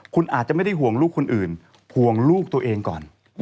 คุณอาจจะไม่ได้ห่วงลูกคนอื่นห่วงลูกตัวเองก่อน